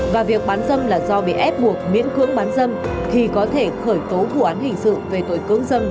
và việc bán dâm là do bị ép buộc miễn cưỡng bán dâm thì có thể khởi tố vụ án hình sự về tội cưỡng dâm